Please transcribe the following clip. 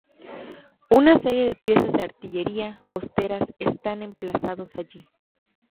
Una serie de piezas de artillería costeras están emplazados allí.